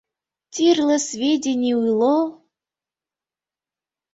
Тӱрлӧ сведений уло...